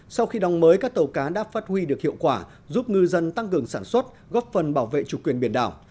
sau khi đóng mới các tàu cá đã phát huy được hiệu quả giúp ngư dân tăng cường sản xuất góp phần bảo vệ chủ quyền biển đảo